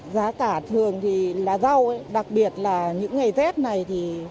giá cả thường thì là rau đặc biệt là những ngày rét này thì